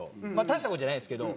大した事じゃないんですけど。